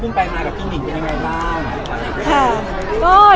คิดถึงทริปที่เพิ่งไปมากับพี่หมิงได้ไหม